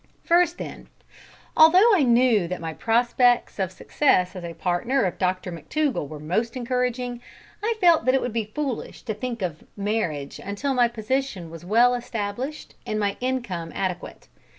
First, then, although I knew that my prospects of success as a partner of Dr McTougall were most encouraging, I felt that it would be foolish to think of marriage until my position was well established and my income adequate.